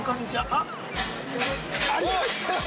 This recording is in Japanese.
あっ、ありましたよ！